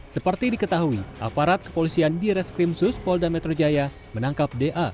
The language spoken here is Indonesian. seperti diketahui aparat kepolisian di reskrimsus polda metro jaya menangkap da